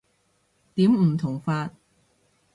點唔同法？